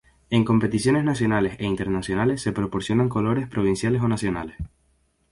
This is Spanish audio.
En competiciones nacionales e internacionales se proporcionan colores provinciales o nacionales.